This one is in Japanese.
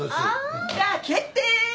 あ。じゃあ決定！